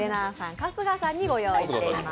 春日さんにご用意しています。